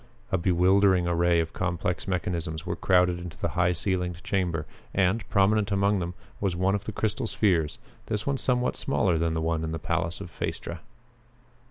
A bewildering array of complex mechanisms was crowded into the high ceilinged chamber and, prominent among them, was one of the crystal spheres, this one of somewhat smaller size than the one in the palace of Phaestra.